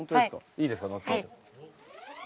いいですか乗っても。